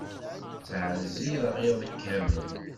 Ttɛeẓẓireɣ iḍ kamel.